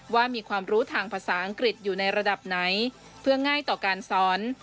ว่ามีความรู้ทางภาษาอังกฤษอยู่ในระดับไหนเพื่อง่ายต่อการสอน